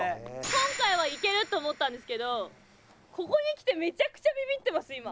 今回はいけると思ったんですけどここにきてめちゃくちゃビビってます今。